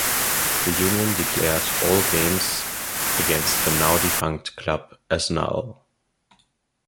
The union declared all games against the now defunct club as null.